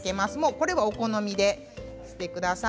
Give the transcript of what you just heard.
これはお好みでしてください。